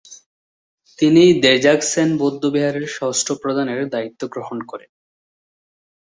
তিনি র্দ্জোগ্স-ছেন বৌদ্ধবিহারের ষষ্ঠ প্রধানের দায়িত্ব গ্রহণ করেন।